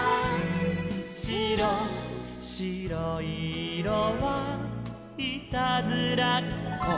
「しろいいろはいたずらっこ」